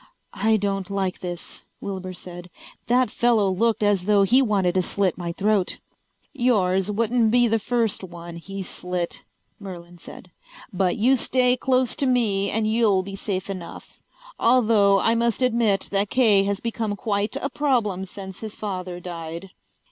"I don't like this," Wilbur said. "That fellow looked as though he wanted to slit my throat." "Yours wouldn't be the first one he's slit," Merlin said. "But you stay close to me and you'll be safe enough. Although I must admit that Kay has become quite a problem since his father died."